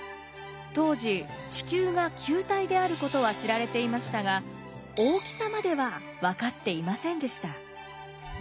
当時地球が球体であることは知られていましたが大きさまでは分かっていませんでした。